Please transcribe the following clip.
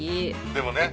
でもね。